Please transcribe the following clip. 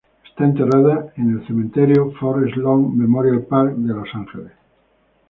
Está enterrada en el cementerio Forest Lawn Memorial Park de Los Ángeles.